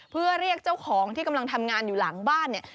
เพื่อเรียกเจ้าของที่กำลังทำงานอยู่หลังบ้านเนี่ย